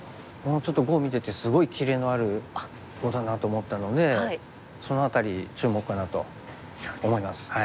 ちょっと碁を見ててすごいキレのある碁だなと思ったのでその辺り注目かなと思います。